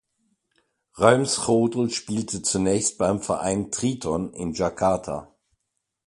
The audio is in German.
Ruimschotel spielte zunächst beim Verein "Triton" in Jakarta.